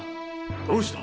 どうした？